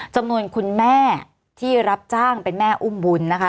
คุณแม่ที่รับจ้างเป็นแม่อุ้มบุญนะคะ